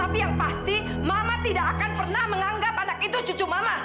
tapi yang pasti mama tidak akan pernah menganggap anak itu cucu mama